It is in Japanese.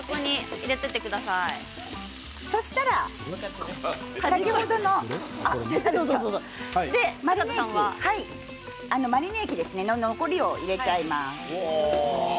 そうしたら先ほどのマリネ液の残りを入れちゃいます。